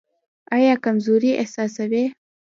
ایا کمزوري احساسوئ؟